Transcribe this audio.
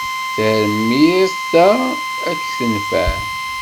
Tarmit-a ad k-tenfeɛ.